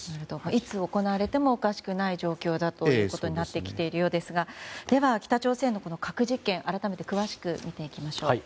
いつ行われてもおかしくない状況だということになってきているようですがでは北朝鮮の核実験改めて詳しく見ていきましょう。